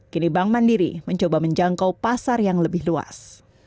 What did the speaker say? kini bank mandiri mencoba menjangkau pasar yang lebih luas